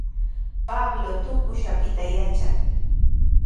Pablo tuqush apita yatran.